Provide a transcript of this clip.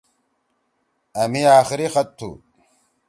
أ مھی آخری خط تُھو۔